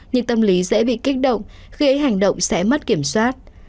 nhưng tâm lý dễ bị kích động khi ấy hành động sẽ mất kiểm soát